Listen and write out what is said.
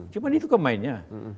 cuma itu kemainnya